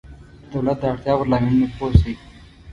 د دولت د اړتیا په لاملونو پوه شئ.